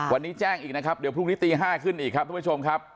วันนี้แจ้งอีกนะครับเดี๋ยวพรุ่งนี้ตี๕ขึ้นอีกครับทุกผู้ชมครับ